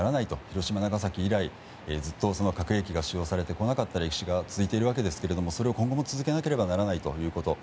広島、長崎以来ずっとその核兵器が使用されてこなかった歴史が続いているわけですがそれを今後も続けなければならないということ。